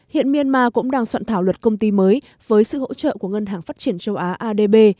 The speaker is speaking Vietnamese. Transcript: myanmar cũng đang soạn thảo luật công ty mới với sự hỗ trợ của ngân hàng phát triển châu á adb